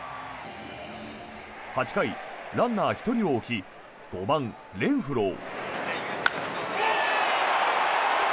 ８回、ランナー１人を置き５番、レンフロー。